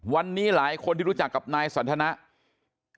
วันนี้หลายคนที่รู้จักกับนายสันทนะ